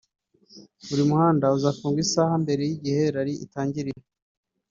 Buri muhanda uzafungwa isaha mbere y’igihe Rally itangirira